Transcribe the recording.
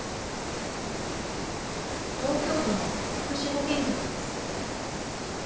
東京都の福祉保健局です。